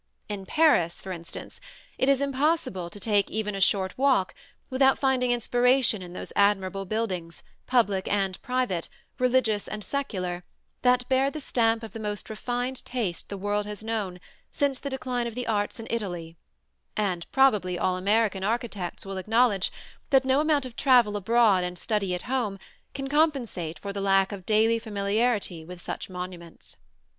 In Paris, for instance, it is impossible to take even a short walk without finding inspiration in those admirable buildings, public and private, religious and secular, that bear the stamp of the most refined taste the world has known since the decline of the arts in Italy; and probably all American architects will acknowledge that no amount of travel abroad and study at home can compensate for the lack of daily familiarity with such monuments.